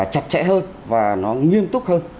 chặt chẽ hơn và nó nghiên túc hơn